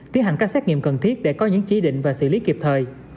tiến hành các xét nghiệm cần thiết để có những chỉ định và xử lý kịp thời